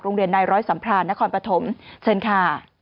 โรงเรียนนายร้อยสัมพรานนครปฐมเชิญค่ะ